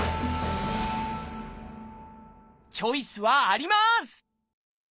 チョイスはあります！